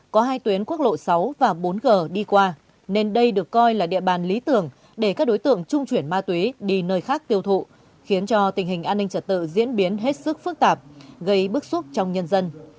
có hai tuyến quốc lộ sáu và bốn g đi qua nên đây được coi là địa bàn lý tưởng để các đối tượng trung chuyển ma túy đi nơi khác tiêu thụ khiến cho tình hình an ninh trật tự diễn biến hết sức phức tạp gây bức xúc trong nhân dân